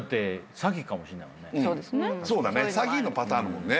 詐欺のパターンあるもんね。